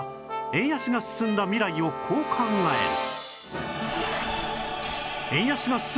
円安が進んだ未来をこう考える